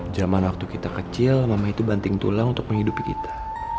zaman waktu kita kecil mama itu banting tulang untuk menghidupi kita